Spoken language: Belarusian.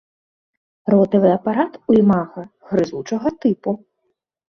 Ротавы апарат у імага грызучага тыпу.